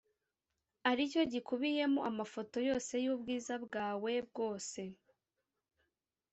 aricyo gikubiyemo amafoto yose y'ubwiza bwawe bwose